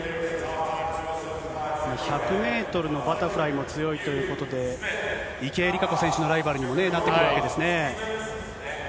１００メートルのバタフライも強いということで、池江璃花子選手のライバルにもなってくるわけですね。